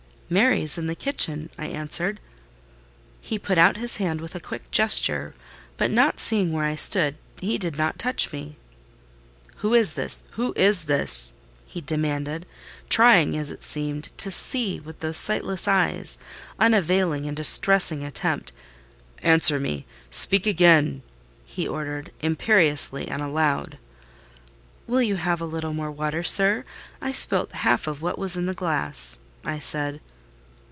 "Mary is in the kitchen," I answered. He put out his hand with a quick gesture, but not seeing where I stood, he did not touch me. "Who is this? Who is this?" he demanded, trying, as it seemed, to see with those sightless eyes—unavailing and distressing attempt! "Answer me—speak again!" he ordered, imperiously and aloud. "Will you have a little more water, sir? I spilt half of what was in the glass," I said.